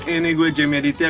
ini gue jamie aditya